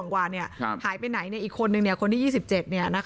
ขายไปไหนอีกคนนึงคนนี้สิบเจ็บ